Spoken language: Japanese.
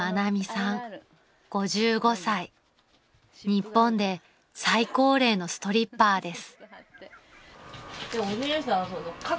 ［日本で最高齢のストリッパーです］